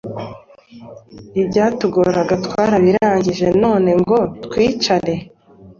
Ibyatugoraga twarabirangije none ngo twicare